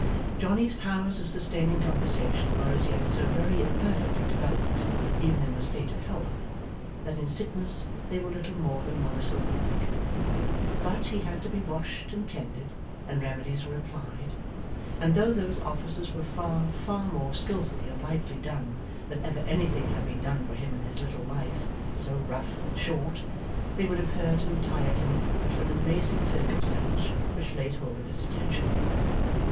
Johnny's powers of sustaining conversation were as yet so very imperfectly developed, even in a state of health, that in sickness they were little more than monosyllabic. But, he had to be washed and tended, and remedies were applied, and though those offices were far, far more skilfully and lightly done than ever anything had been done for him in his little life, so rough and short, they would have hurt and tired him but for an amazing circumstance which laid hold of his attention.